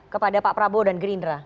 kepada pak prabowo dan gerindra